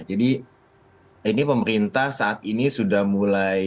jadi ini pemerintah saat ini sudah mulai